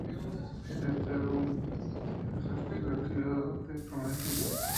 Este álbum amplió su estilo exhibido en The promise.